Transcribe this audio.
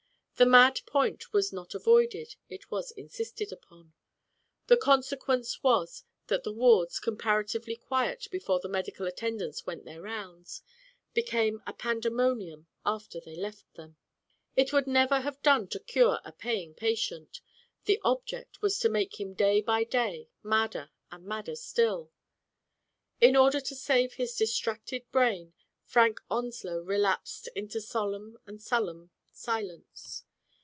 The mad point was not avoided, it was insisted upon. The consequence was that the wards, comparatively quiet before the medical attendants went their rounds, became Digitized by Google ClEMEN T SCdTT, ^^g a pandemonium after they left them. It would never have done to cure a paying patient. The object was to make him day by day madder and madder still. In order to save his distracted brain, Frank Onslow relapsed into solemn and sullen silence.